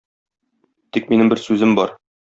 Тик минем бер сүзем бар.